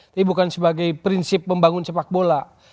ini bukan sebagai prinsip membangun sepak bola